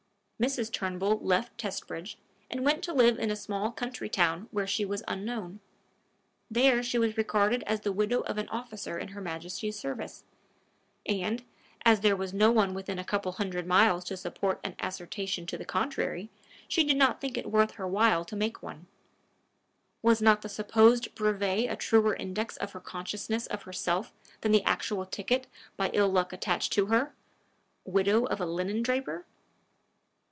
Mrs. Turnbull left Testbridge, and went to live in a small county town where she was unknown. There she was regarded as the widow of an officer in her Majesty's service, and, as there was no one within a couple of hundred miles to support an assertion to the contrary, she did not think it worth her while to make one: was not the supposed brevet a truer index to her consciousness of herself than the actual ticket by ill luck attached to her Widow of a linen draper?